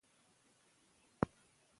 موږ په ټولګي کې پښتو کاروو.